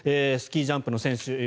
スキージャンプの選手